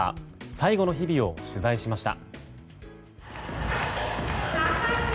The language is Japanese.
最後の日々を取材しました。